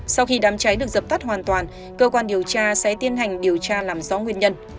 sau khi đám cháy được dập tắt hoàn toàn cơ quan điều tra sẽ tiến hành điều tra làm rõ nguyên nhân